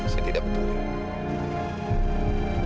saya tidak peduli